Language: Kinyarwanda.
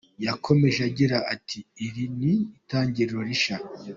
Yakomeje agira ati “ Iri ni itangiriro rishya.